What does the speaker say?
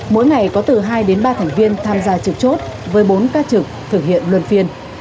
mỗi ngày có từ hai đến ba thành viên tham gia trực chốt với bốn ca trực thực hiện luân phiên